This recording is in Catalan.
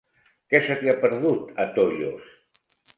Què se t'hi ha perdut, a Tollos?